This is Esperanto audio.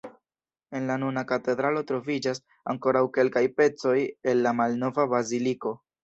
En la nuna katedralo troviĝas ankoraŭ kelkaj pecoj el la malnova baziliko.